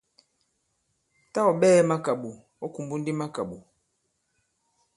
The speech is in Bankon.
Tâ ɔ̀ ɓɛɛ̄ makàɓò, ɔ̌ kùmbu ndi makàɓò.